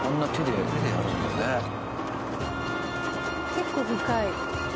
結構深い。